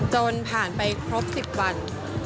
จนผ่านไปครบ๑๐วัน